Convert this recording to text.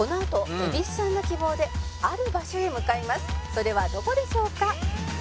「それはどこでしょうか？」